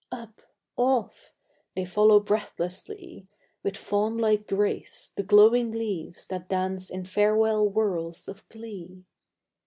Up! Off! They follow breathlessly, With fawn like grace, the glowing leaves That dance in farewell whirls of glee.